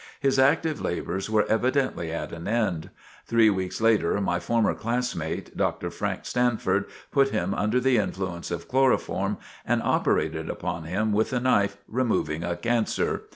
His active labors were evidently at an end. Three weeks later, my former classmate, Dr. Frank Stanford, put him under the influence of chloroform, and operated upon him with a knife, removing a cancer.